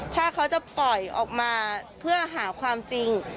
ถ้าเขาจะปล่อยออกมาเพื่อหาความจริง